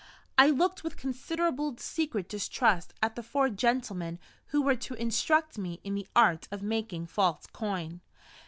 I looked with considerable secret distrust at the four gentlemen who were to instruct me in the art of making false coin.